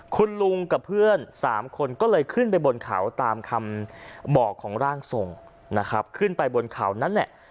คุณลุงกับเพื่อน๓คนก็เลยขึ้นไปบนเขาตามคำบอกของร่างทรงนะครับขึ้นไปบนเขานั่นแหละ